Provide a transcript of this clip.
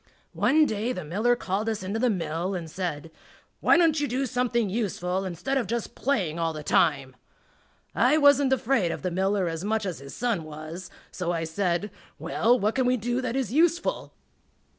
One day the miller called us into the mill and said, "Why don't you do something useful instead of just playing all the time?" I wasn't afraid of the miller as much as his son was, so I said, "Well, what can we do that is useful?"